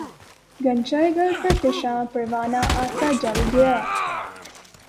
غنچۂ گل پرفشاں پروانہ آسا جل گیا